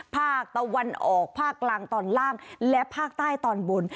ภาคตะวันออกภาคกลางตอนล่างและภาคใต้ตอนบน